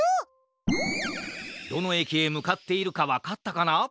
どのえきへむかっているかわかったかな？